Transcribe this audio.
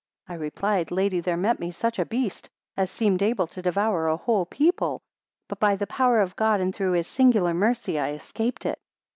I replied, Lady, there met me such a beast, as seemed able to devour a whole people; but by the power of God, and through his singular mercy, I escaped it.